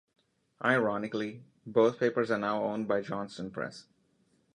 Ironically both papers are now owned by Johnston Press.